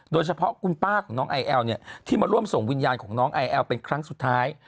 โดยเฉพาะคุณป้าของน้องไอแอลเนี่ยที่มาร่วมส่งวิญญาณของน้องไอแอลเป็นครั้งสุดท้าย